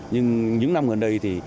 nhưng những năm gần đây thì